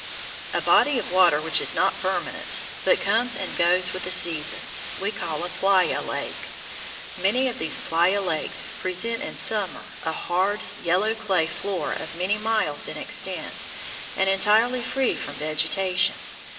A body of water which is not permanent, but comes and goes with the seasons, we call a playa lake. Many of these playa lakes present in summer a hard, yellow clay floor of many miles in extent and entirely free from vegetation.